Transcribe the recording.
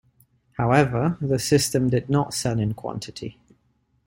However, the system did not sell in quantity.